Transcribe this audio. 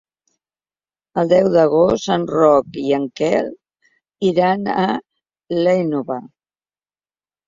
El deu d'agost en Roc i en Quel iran a l'Énova.